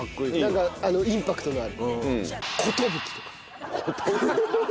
なんかインパクトのある。